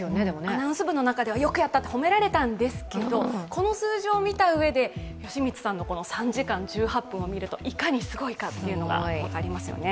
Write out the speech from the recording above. アナウンス部の中では「よくやった」と褒められたんですがこの数字を見たうえで吉光さんの３時間１８分を見ると、いかにすごいかというのが分かりますよね。